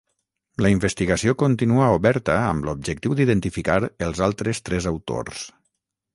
La investigació continua oberta amb l’objectiu d’identificar els altres tres autors.